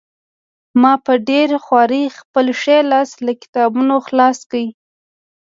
ما په ډېره خوارۍ خپل ښی لاس له کتابونو خلاص کړ